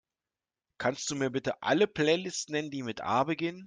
Kannst Du mir bitte alle Playlists nennen, die mit A beginnen?